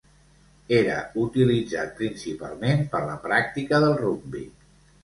Era utilitzat principalment per la pràctica del rugbi.